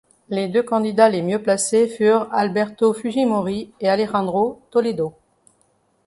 Les deux candidats les mieux placés furent Alberto Fujimori et Alejandro Toledo.